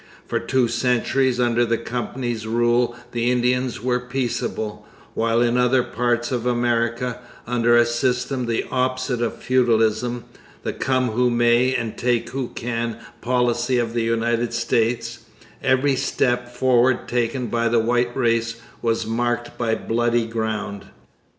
For two centuries under the Company's rule the Indians were peaceable; while in other parts of America, under a system the opposite of feudalism the come who may and take who can policy of the United States every step forward taken by the white race was marked by 'bloody ground.'